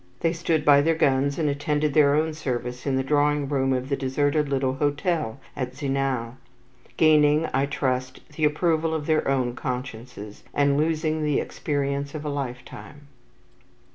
They stood by their guns, and attended their own service in the drawing room of the deserted little hotel at Zinal; gaining, I trust, the approval of their own consciences, and losing the experience of a lifetime.